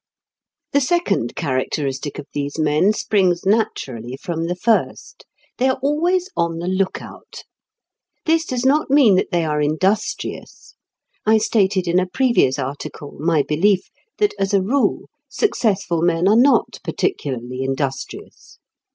The second characteristic of these men springs naturally from the first. They are always on the look out. This does not mean that they are industrious. I stated in a previous article my belief that as a rule successful men are not particularly industrious.